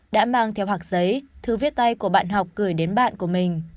đã mang theo hạc giấy thư viết tay của bạn học gửi đến bạn của mình